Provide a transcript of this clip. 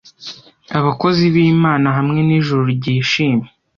abakozi b'imana hamwe n'ijuru ryishimye